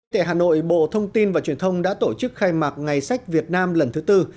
tại hà nội bộ thông tin và truyền thông đã tổ chức khai mạc ngày sách việt nam lần thứ tư